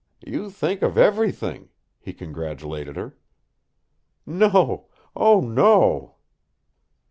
"You think of everything!" he congratulated her. "No! Oh, no!"